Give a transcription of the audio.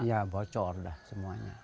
iya bocor dah semuanya